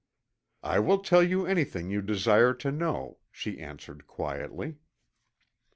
"I will tell you anything you desire to know," she answered quietly.